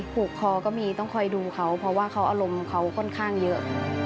ผูกคอก็มีต้องคอยดูเขาเพราะว่าเขาอารมณ์เขาค่อนข้างเยอะ